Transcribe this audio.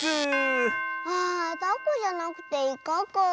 あタコじゃなくてイカかあ。